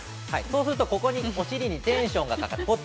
そうすると、ここにお尻にテンションがかかる。